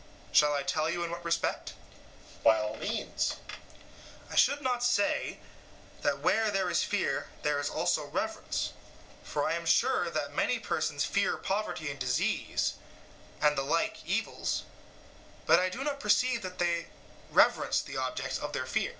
Shall I tell you in what respect? EUTHYPHRO: By all means. SOCRATES: I should not say that where there is fear there is also reverence; for I am sure that many persons fear poverty and disease, and the like evils, but I do not perceive that they reverence the objects of their fear.